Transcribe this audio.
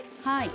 はい。